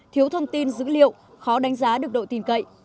thiếu thông tin dữ liệu khó đánh giá được độ tin cậy